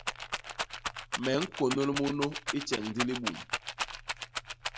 Me ñkônôl munu i tjeñ di libum.